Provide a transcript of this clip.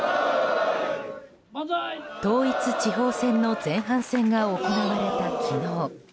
統一地方選の前半戦が行われた昨日。